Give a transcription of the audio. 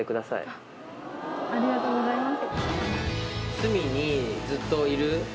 ありがとうございます。